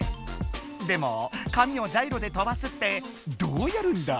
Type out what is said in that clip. でも紙をジャイロで飛ばすってどうやるんだ？